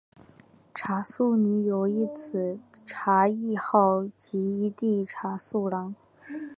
蔡素女有一姊蔡亦好及一弟蔡寿郎。